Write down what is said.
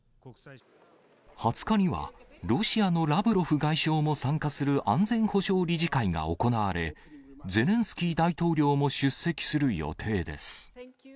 ２０日には、ロシアのラブロフ外相も参加する安全保障理事会が行われ、ゼレンスキー大統領も出席する予定です。